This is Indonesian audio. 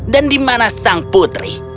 dan dimana sang putri